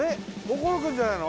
心君じゃないの？